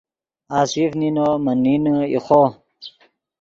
آصف نینو من نینے ایخو